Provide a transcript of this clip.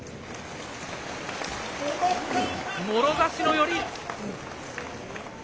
もろ差しの寄り。